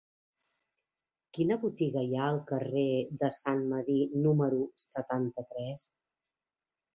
Quina botiga hi ha al carrer de Sant Medir número setanta-tres?